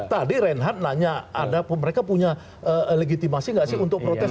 tadi reinhard nanya mereka punya legitimasi nggak sih untuk protes